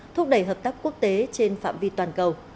thúc đẩy hợp tác quốc tế trên phạm vi toàn cầu